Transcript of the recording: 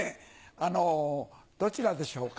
あのどちらでしょうか？